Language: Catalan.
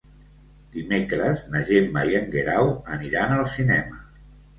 Dimecres na Gemma i en Guerau aniran al cinema.